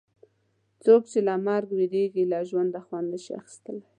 څوک چې له مرګ وېرېږي له ژونده خوند نه شي اخیستلای.